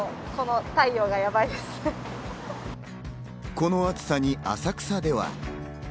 この暑さに浅草では。